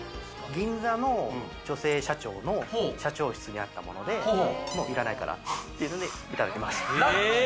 銀座の女性社長の社長室にあったもので、もういらないからって言うのでいただきます。